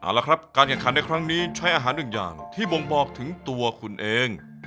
เอาละครับการแข่งขันในครั้งนี้ใช้อาหารหนึ่งอย่างที่บ่งบอกถึงตัวคุณเอง